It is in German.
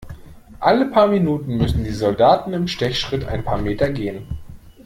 Alle paar Minuten müssen die Soldaten im Stechschritt ein paar Meter gehen.